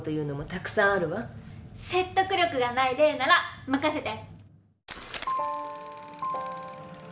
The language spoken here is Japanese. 説得力がない例なら任せて。